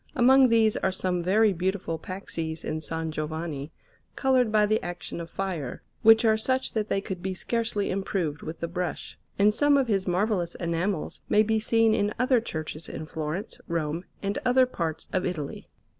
Among these are some very beautiful paxes in S. Giovanni, coloured by the action of fire, which are such that they could be scarcely improved with the brush; and some of his marvellous enamels may be seen in other churches in Florence, Rome, and other parts of Italy.